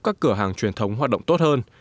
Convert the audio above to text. các cửa hàng truyền thống hoạt động tốt hơn